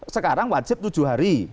sekarang wajib tujuh hari